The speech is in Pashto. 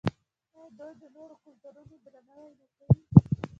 آیا دوی د نورو کلتورونو درناوی نه کوي؟